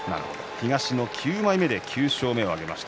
東の９枚目で９勝目を挙げました。